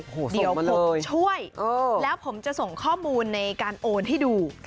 โอ้โฮส่งมาเลยเดี๋ยวผมช่วยแล้วผมจะส่งข้อมูลในการโอนให้ดู